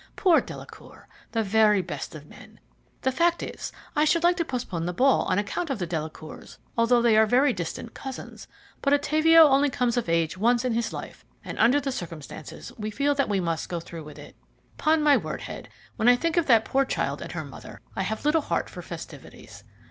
Poor Delacour the very best of men. The fact is this: I should like to postpone the ball on account of the Delacours, although they are very distant cousins; but Ottavio only comes of age once in his life, and, under the circumstances, we feel that we must go through with it. 'Pon my word, Head, when I think of that poor child and her mother, I have little heart for festivities.